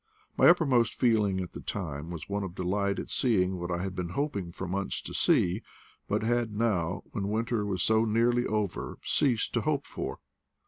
My uppermost feeling at the time was one of delight at seeing what I had been hoping for months to see, but had now, when winter was so nearly over, ceased to hope for.